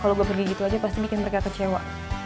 kalau gue pergi gitu aja pasti bikin mereka kecewa